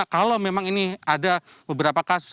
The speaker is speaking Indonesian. kalau memang ini ada beberapa kasus